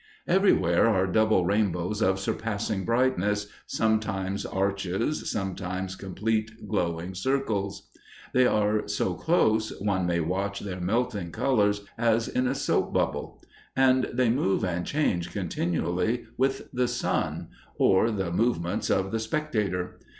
Everywhere are double rainbows of surpassing brightness, sometimes arches, sometimes complete, glowing circles. They are so close, one may watch their melting colors as in a soapbubble; and they move and change continually with the sun or the movements of the spectator.